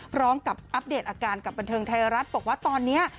กร้องกับอัปเดตอาการกับบนเทิงที่ไทยรัฐบอกว่าตอนนี้